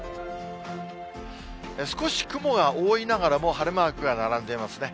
少し雲が多いながらも、晴れマークが並んでいますね。